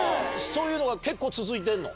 そういうのが結構続いてんの？